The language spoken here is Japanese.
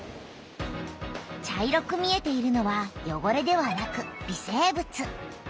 茶色く見えているのはよごれではなく微生物。